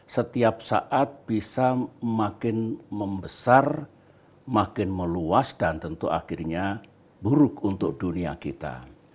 setiap saat bisa makin membesar makin meluas dan tentu akhirnya buruk untuk dunia kita